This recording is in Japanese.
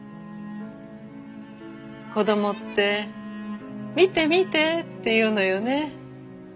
子供って「見て見て！」って言うのよね。